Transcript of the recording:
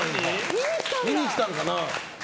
見に来たのかな？